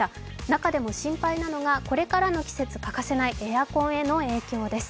中でも心配なのが、これからの季節欠かせないエアコンへの影響です。